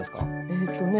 えっとね